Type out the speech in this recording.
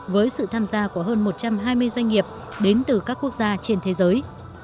với sự tham gia của hơn một trăm hai mươi doanh nghiệp đến từ các quốc gia trên thế giới